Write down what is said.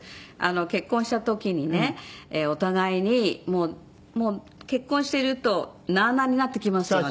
結婚した時にねお互いにもう結婚してるとなあなあになってきますよね。